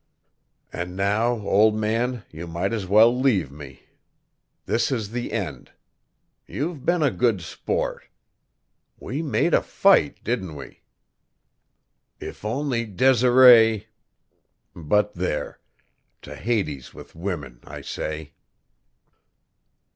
"And now, old man, you might as well leave me. This is the end. You've been a good sport. We made a fight, didn't we? If only Desiree but there! To Hades with women, I say!"